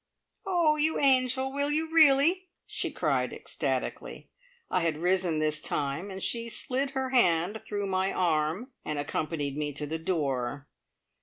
"Oh, you angel! Will you really?" she cried ecstatically. I had risen this time, and she slid her hand through my arm, and accompanied me to the door.